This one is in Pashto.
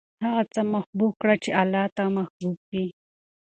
هغه څه محبوب کړه چې اللهﷻ ته محبوب وي.